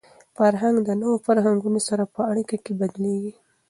فرهنګ د نورو فرهنګونو سره په اړیکه کي بدلېږي.